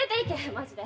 マジで。